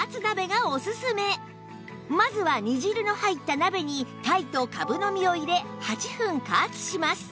まずは煮汁の入った鍋に鯛とかぶの実を入れ８分加圧します